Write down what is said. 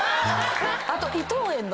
あと。